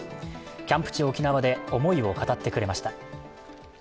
キャンプ地・沖縄で思いを語ってくれました。